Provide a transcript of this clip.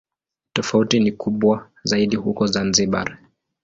Tofauti ni kubwa zaidi huko Zanzibar.